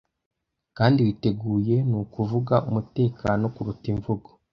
kandi witeguye nukuvuga umutekano kuruta imvugo